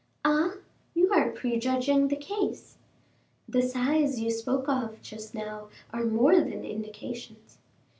"Ah! you are prejudging the case." "The sighs you spoke of just now are more than indications."